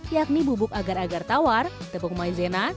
yakni bubuk agar agar tawar tepung maizena